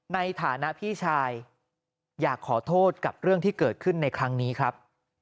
ในฐานะพี่ชายอยากขอโทษกับเรื่องที่เกิดขึ้นในครั้งนี้ครับ